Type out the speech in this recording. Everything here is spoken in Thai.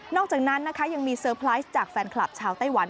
อกจากนั้นนะคะยังมีเซอร์ไพรส์จากแฟนคลับชาวไต้หวัน